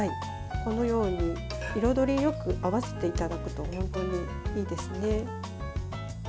このように、彩りよく合わせていただくといいですね。